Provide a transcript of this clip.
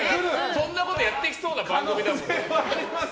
そんなことやっていきそうな番組だもん。